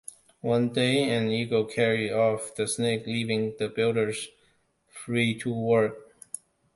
One day an eagle carried off the snake, leaving the builders free to work.